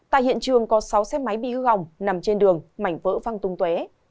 tại hiện trường có sáu xe máy bị hư hỏng nằm trên đường mảnh vỡ văng tung tuế